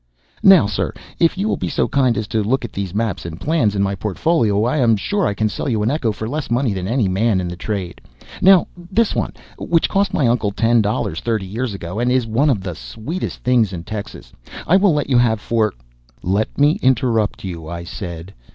Now, sir, if you will be so kind as to look at these maps and plans in my portfolio, I am sure I can sell you an echo for less money than any man in the trade. Now this one, which cost my uncle ten dollars, thirty years ago, and is one of the sweetest things in Texas, I will let you have for �Let me interrupt you,� I said.